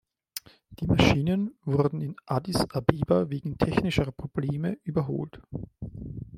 Die Maschinen wurden in Addis Abeba wegen „technischer Probleme“ überholt.